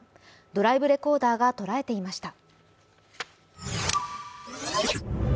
ドライブレコーダーが捉えていました。